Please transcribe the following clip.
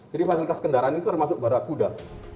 jadi fasilitas kendaraan itu termasuk barakuda